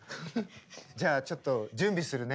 じゃあちょっと準備するね。